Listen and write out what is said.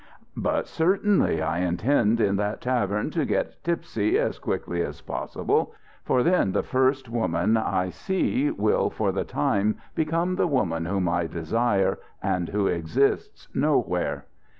"But certainly I intend in that tavern to get tipsy as quickly as possible: for then the first woman I see will for the time become the woman whom I desire and who exists nowhere."